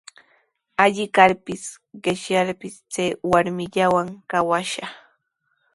Alli karpis, qishyarpis chay warmillawan kawashaq.